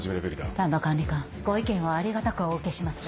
丹波管理官ご意見はありがたくお受けしますが。